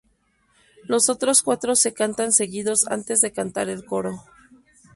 Los otros cuatro se cantan seguidos antes de cantar el coro.